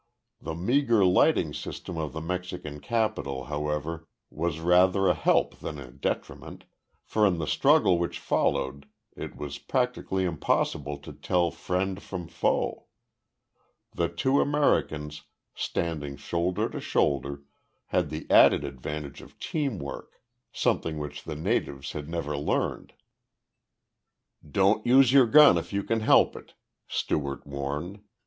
The meager lighting system of the Mexican capital, however, was rather a help than a detriment, for in the struggle which followed it was practically impossible to tell friend from foe. The two Americans, standing shoulder to shoulder, had the added advantage of teamwork something which the natives had never learned. "Don't use your gun if you can help it," Stewart warned.